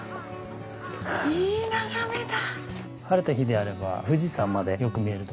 いい眺めだ！